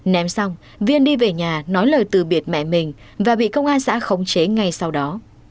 ném xong viên đi về nhà nói lời từ biệt mẹ mình và bị công an xã khống chế ngay sau đó